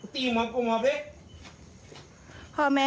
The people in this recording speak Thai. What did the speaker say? พี่บ๊ามาแต่ได้